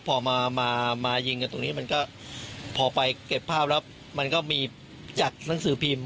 พอมามายิงกันตรงนี้มันก็พอไปเก็บภาพแล้วมันก็มีจากหนังสือพิมพ์